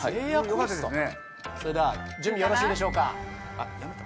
それでは準備よろしいでしょうか？